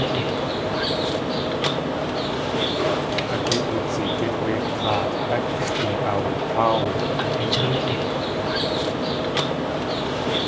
At géit wudzigít wé k̲áa átxʼi aawutáawu.